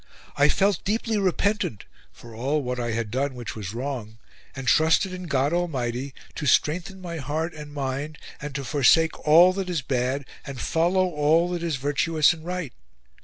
I felt deeply repentant for all what I had done which was wrong and trusted in God Almighty to strengthen my heart and mind; and to forsake all that is bad and follow all that is virtuous and right.